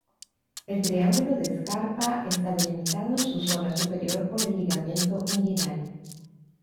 El triangulo de Scarpa está delimitado en su zona superior por el ligamento inguinal.